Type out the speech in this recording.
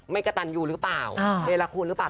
ไม่กระตันอยู่หรือเปล่าเดรกคุณหรือเปล่า